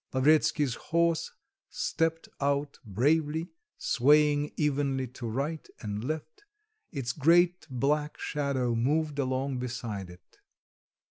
Lavretsky's horse stepped out bravely, swaying evenly to right and left; its great black shadow moved along beside it.